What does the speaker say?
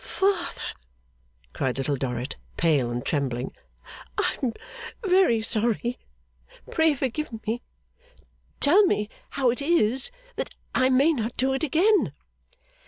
'Father!' cried Little Dorrit, pale and trembling. 'I am very sorry. Pray forgive me. Tell me how it is, that I may not do it again!